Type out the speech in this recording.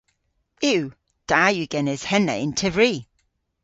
Yw. Da yw genes henna yn tevri.